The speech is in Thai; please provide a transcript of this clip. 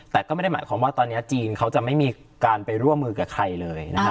แต่ก็ไม่ได้หมายความว่าตอนนี้จีนเขาจะไม่มีการไปร่วมมือกับใครเลยนะฮะ